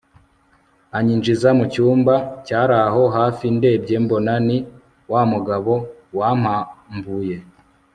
anyinjiza mucyumba cyaraho hafi ndebye mbona ni wamugabo wampambuye